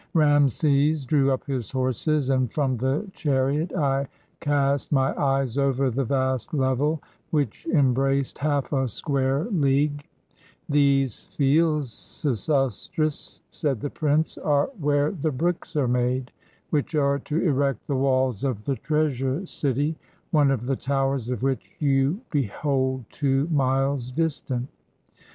Rameses drew up his horses, and from the chariot I cast my eyes over the vast level, which embraced half a square league. ''These fields, Sesostris," said the prince, "are where the bricks are made which are to erect the walls of the treasure city, one of the towers of which you behold two miles distant.